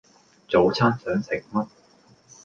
早餐想食乜？